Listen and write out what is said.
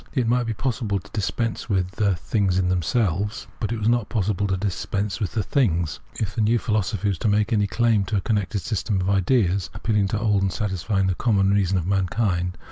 It might be possible to dispense with " things in them selves," but it was not possible to dispense with "things," if the new philosophy was to make any claim to be a con Translator's Introduction vii nected system of ideas, appealing to and satisfying the common reason of mankind.